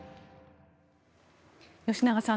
吉永さん